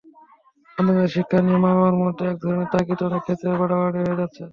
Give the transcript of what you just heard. সন্তানদের শিক্ষা নিয়ে মা-বাবার মধ্যে একধরনের তাগিদ অনেক ক্ষেত্রে বাড়াবাড়ি হয়ে যাচ্ছে।